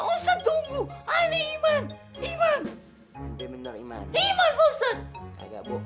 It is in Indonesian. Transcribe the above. ustadz tunggu aneh iman iman bener bener iman iman faustad kagak bohong